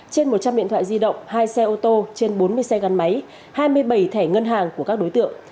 trên một trăm linh điện thoại di động hai xe ô tô trên bốn mươi xe gắn máy hai mươi bảy thẻ ngân hàng của các đối tượng